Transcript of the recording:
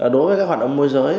đối với các hoạt động môi giới